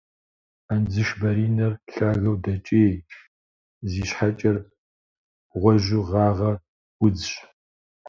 Андзышбаринэр лъагэу дэкӏей, зи щхьэкӏэр гъуэжьу гъагъэ удзщ.